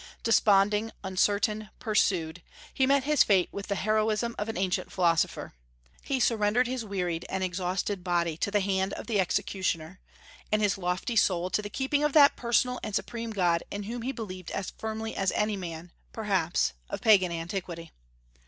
Desponding, uncertain, pursued, he met his fate with the heroism of an ancient philosopher. He surrendered his wearied and exhausted body to the hand of the executioner, and his lofty soul to the keeping of that personal and supreme God in whom he believed as firmly as any man, perhaps, of Pagan antiquity.